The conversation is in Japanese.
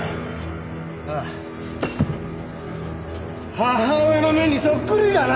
母親の目にそっくりだな！